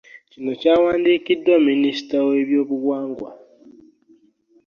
Kino kyawandiikiddwa Minisita w'ebyobuwangwa